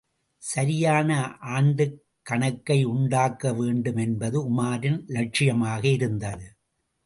சரியான ஆண்டுக்கணக்கையுண்டாக்க வேண்டும் என்பது உமாரின் இலட்சியமாக இருந்தது.